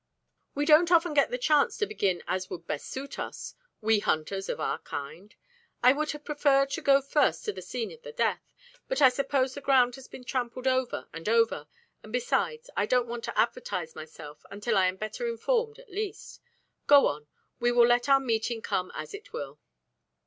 "We don't often get the chance to begin as would best suit us, we hunters of our kind. I would have preferred to go first to the scene of the death, but I suppose the ground has been trampled over and over, and, besides, I don't want to advertise myself until I am better informed at least. Go on, we will let our meeting come as it will."